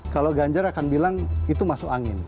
kalau ganjar akan bilang itu masuk angin